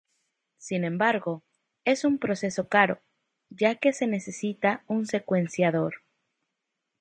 Sin embargo, es un proceso caro ya que se necesita un secuenciador.